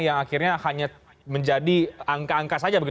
yang akhirnya hanya menjadi angka angka saja